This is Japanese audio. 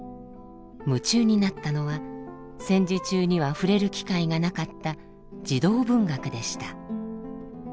夢中になったのは戦時中には触れる機会がなかった児童文学でした。